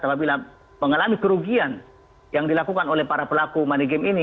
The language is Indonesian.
apabila mengalami kerugian yang dilakukan oleh para pelaku money game ini